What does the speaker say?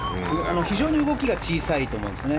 非常に動きが小さいと思いますね。